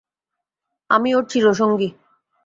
আমি ওর চিরসঙ্গী।